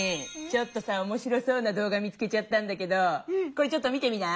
ちょっとさおもしろそうなどう画見つけちゃったんだけどこれちょっと見てみない？